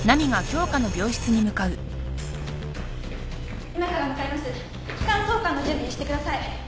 気管挿管の準備してください。